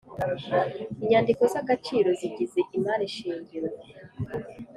Inyandiko zagaciro zigize imari shingiro